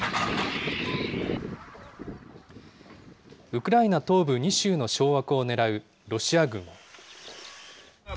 ウクライナ東部２州の掌握を狙うロシア軍。